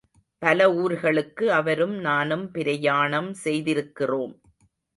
பல ஊர்களுக்கு அவரும் நானும் பிரயாணம் செய்திருக்கிறோம்.